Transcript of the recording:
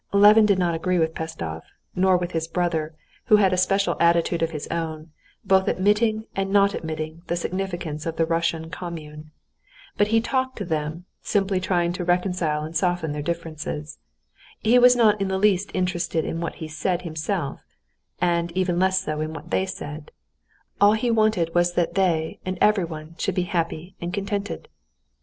Levin did not agree with Pestsov, nor with his brother, who had a special attitude of his own, both admitting and not admitting the significance of the Russian commune. But he talked to them, simply trying to reconcile and soften their differences. He was not in the least interested in what he said himself, and even less so in what they said; all he wanted was that they and everyone should be happy and contented.